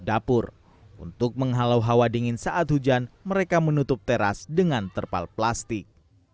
dapur untuk menghalau hawa dingin saat hujan mereka menutup teras dengan terpal plastik